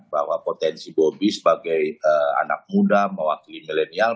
bahwa potensi bobi sebagai anak muda mewakili milenial